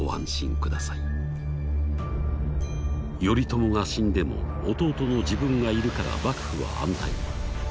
頼朝が死んでも弟の自分がいるから幕府は安泰。